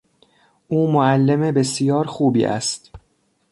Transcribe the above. او معلم بسیار خوبی است.